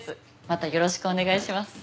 またよろしくお願いします。